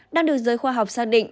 đang được giới khoa học xác định